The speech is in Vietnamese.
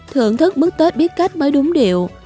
thưởng thức mức tết biết cách mới đúng điệu